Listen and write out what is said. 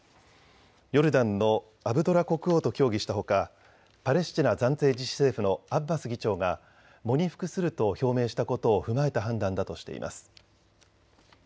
ヨルダンのアブドラ国王と協議したほかパレスチナ暫定自治政府のアッバス議長が喪に服すると表明したことを踏まえた判断だとしています。